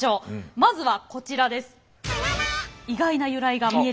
まずはこちらです。